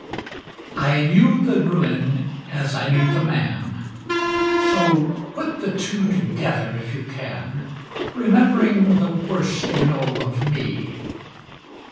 1931 V. ''I knew the ruin as I knew the man; So put the two together, if you can, Remembering the worst you know of me.